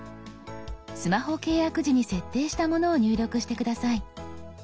スマホ契約時に設定したものを入力して下さい。